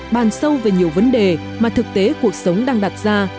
bàn sâu về nhiều vấn đề mà thực tế cuộc sống đang đặt ra